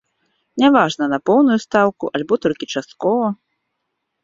Няважна, на поўную стаўку альбо толькі часткова.